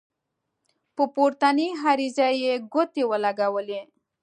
په پورتنۍ عریضه یې ګوتې ولګولې.